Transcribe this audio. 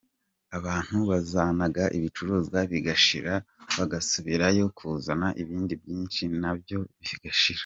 Abantu bazanaga ibicuruzwa bigashira bagasubirayo kuzana ibindi byinshi na byo bigashira.